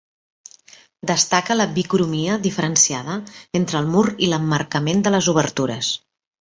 Destaca la bicromia diferenciada entre el mur i l'emmarcament de les obertures.